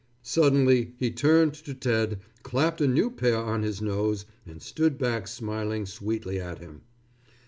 Suddenly, he turned to Ted clapped a new pair on his nose, and stood back smiling sweetly at him.